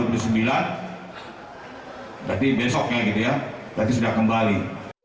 berarti besoknya gitu ya berarti sudah kembali